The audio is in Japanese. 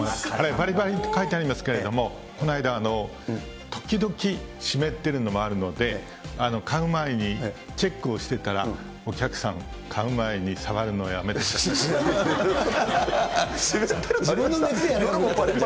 ぱりぱりって書いてありますけど、この間、時々湿っているのもあるので、買う前にチェックをしてたら、お客さん、買う前に触自分の熱で。